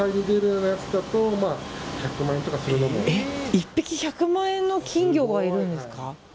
１匹１００万円の金魚がいるんですか。